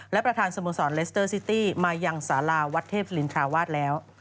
และประธานสโมสรเลสเตอร์ซิตี้มายังสาราวัดเทพศิรินทราวาสแล้ว